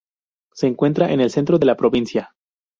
Se encuentra en el centro de la provincia.